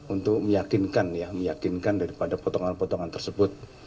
untuk meyakinkan ya meyakinkan daripada potongan potongan tersebut